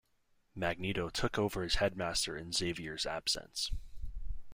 Magneto took over as headmaster in Xavier's absence.